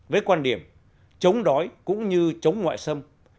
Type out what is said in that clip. với quan điểm chống đói cũng như chống ngoại xâm